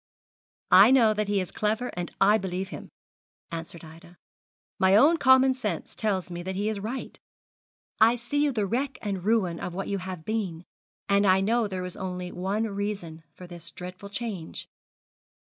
'I know that he is clever, and I believe him,' answered Ida; 'my own common sense tells me that he is right. I see you the wreck and ruin of what you have been; and I know there is only one reason for this dreadful change.